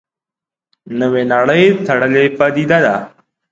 نوې نړۍ تړلې پدیده ده.